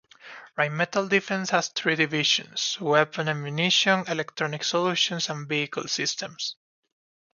Rheinmetall Defence has three divisions: Weapon and Munition, Electronic Solutions, and Vehicle Systems.